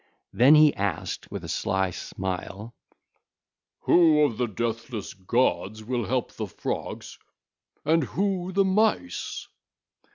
Then he asked with a sly smile; 'Who of the deathless gods will help the Frogs and who the Mice?